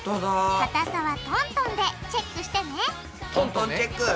かたさはトントンでチェックしてねトントンチェック。